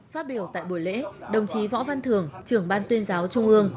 phát biểu tại buổi lễ đồng chí võ văn thường trưởng ban tuyên giáo trung ương